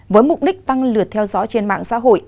với mục đích tăng lượt theo dõi trên mạng xã hội